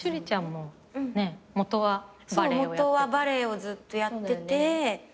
もとはバレエをずっとやってて。